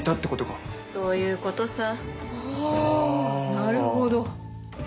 なるほど。